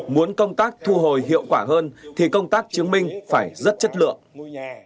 muốn công tác thu hồi hiệu quả hơn thì công tác chứng minh phải rất chất lượng